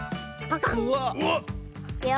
いくよ。